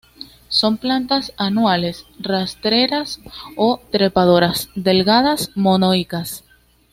Son plantas anuales, rastreras o trepadoras, delgadas; monoicas.